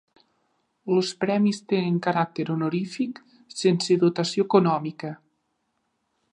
Els Premis tenen caràcter honorífic, sense dotació econòmica.